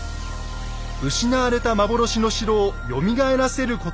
失われた幻の城をよみがえらせることができないか。